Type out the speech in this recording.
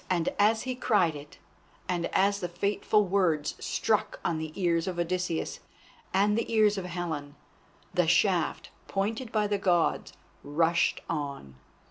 And as he cried it, and as the fateful words struck on the ears of Odysseus and the ears of Helen, the shaft, pointed by the Gods, rushed on.